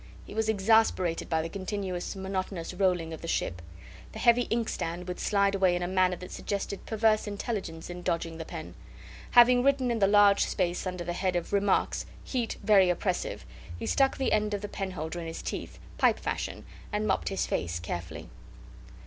He was exasperated by the continuous, monotonous rolling of the ship. The heavy inkstand would slide away in a manner that suggested perverse intelligence in dodging the pen. Having written in the large space under the head of "Remarks" "Heat very oppressive," he stuck the end of the penholder in his teeth, pipe fashion, and mopped his face carefully.